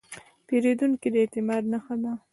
پیرودونکی د اعتماد نښه ده.